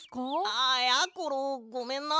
ああやころごめんな。